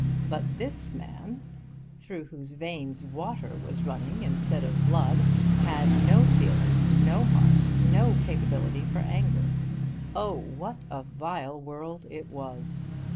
But this man, through whose veins water was running instead of blood, had no feeling, no heart, no capability for anger! Oh, what a vile world it was!